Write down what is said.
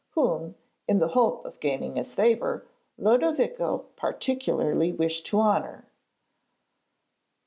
whom (in the hope of gaining his favour) Lodovico particularly wished to honour.